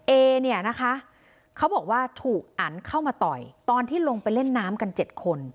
เอเนี่ยนะคะเขาบอกว่าถูกอันเข้ามาต่อยตอนที่ลงไปเล่นน้ำกัน๗คน